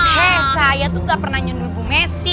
he saya tuh gak pernah nyundur bu messi